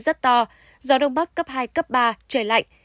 rất to gió đông bắc cấp hai cấp ba trời lạnh